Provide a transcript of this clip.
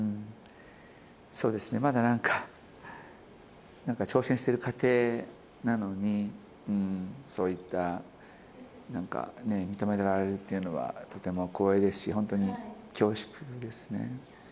そうですね、まだなんか、なんか挑戦している過程なのに、そういった、認められるっていうのは、とても光栄ですし、本当に恐縮ですね。